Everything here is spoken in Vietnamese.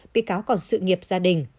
bị cáo còn sự nghiệp gia đình